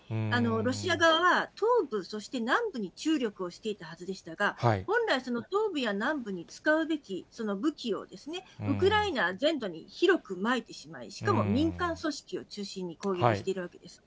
ロシア側は、東部、そして南部に注力をしていたはずでしたが、本来は東部や南部に使うべき武器を、ウクライナ全土に広くまいてしまい、しかも民間組織を中心に攻撃をしているわけです。